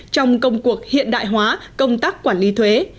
trong công cuộc hiện đại hóa công tác quản lý thuế